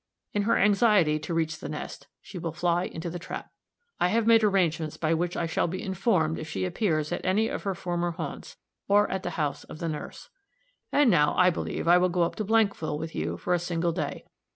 In her anxiety to reach the nest, she will fly into the trap. I have made arrangements by which I shall be informed if she appears at any of her former haunts, or at the house of the nurse. And now, I believe, I will go up to Blankville with you for a single day.